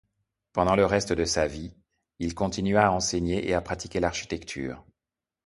Pendant le reste de sa vie, il continua à enseigner et à pratiquer l'architecture.